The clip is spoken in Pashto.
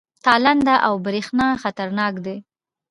تالنده او برېښنا خطرناک دي؟